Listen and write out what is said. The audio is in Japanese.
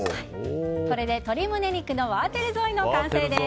これで鶏胸肉のワーテルゾイの完成です。